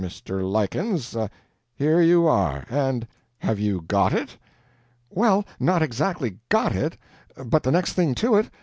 Mr. Lykins ... here you are. And have you got it?" "Well, not exactly GOT it, but the next thing to it.